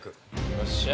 よっしゃあ！